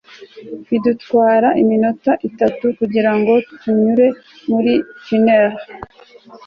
Bidutwara iminota itanu kugirango tunyure muri tunnel